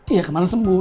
iya kemarin sembuh